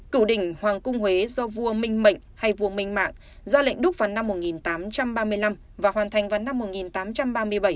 cửu đỉnh hoàng cung huế do vua minh mệnh hay vua minh mạng ra lệnh đúc vào năm một nghìn tám trăm ba mươi năm và hoàn thành vào năm một nghìn tám trăm ba mươi bảy